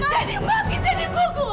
dan di bagi saya dibungkuk